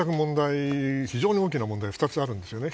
非常に大きな問題が２つあるんですよね。